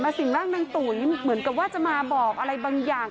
สิ่งร่างนางตุ๋ยเหมือนกับว่าจะมาบอกอะไรบางอย่าง